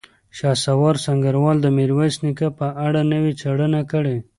شهسوار سنګروال د میرویس نیکه په اړه نوې څېړنه کړې.